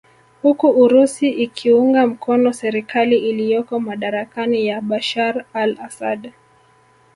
Huku Urusi ikiunga mkono serikali iliyoko madarakani ya Bashar Al Assad